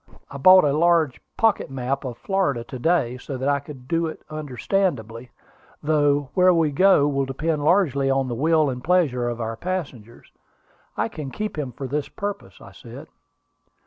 I bought a large pocket map of Florida to day, so that I could do it understandingly, though where we go will depend largely on the will and pleasure of our passengers. I can keep him for this purpose," I said.